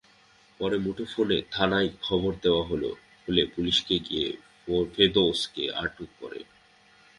পরে মুঠোফোনে থানায় খবর দেওয়া হলে পুলিশ গিয়ে ফেরদৌসকে আটক করে।